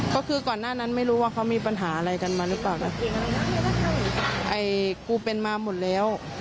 ก็คือก่อนหน้านั้นไม่รู้ว่าเขามีปัญหาอะไรกันมาหรือเปล่านะไอ้กูเป็นมาหมดแล้ว